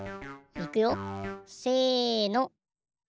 いくよせの。